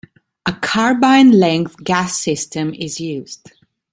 A carbine-length gas system is used.